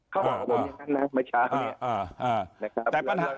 เขาบอกผมอย่างนั้นนะเมื่อช้าเนี่ย